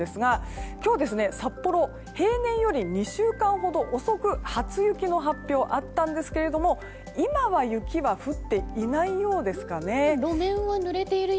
今日札幌は平年より２３週間ほど遅く初雪の発表あったんですが今、雪は降っていないようですかね。